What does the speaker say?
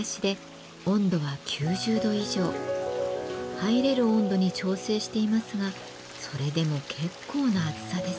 入れる温度に調整していますがそれでも結構な熱さです。